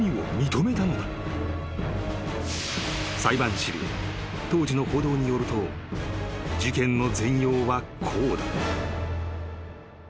［裁判資料当時の報道によると事件の全容はこうだ］